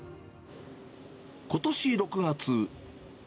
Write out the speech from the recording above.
ことし６月。